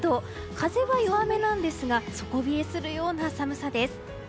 風は弱めなんですが底冷えするような寒さです。